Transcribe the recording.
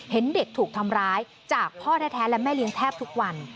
เห็นเด็กถูกทำร้ายจากพ่อแท้และแม่เลี้ยงแทบทุกวัน